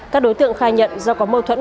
các đối tượng khai nhận do có mâu thuẫn